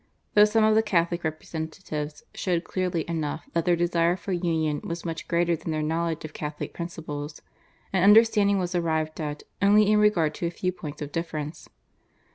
Though some of the Catholic representatives showed clearly enough that their desire for union was much greater than their knowledge of Catholic principles, an understanding was arrived at only in regard to a few points of difference.